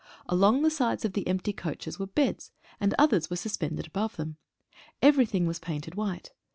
Along the sides of the empty coaches were beds, and others were suspended 7 THE WOUNDED. above them. Everything was painted white.